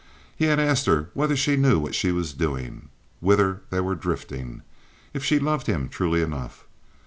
He had asked her whether she knew what she was doing? Whither they were drifting? If she loved him truly enough?